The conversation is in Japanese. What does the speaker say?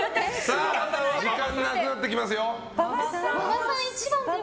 時間がなくなってきてますよ。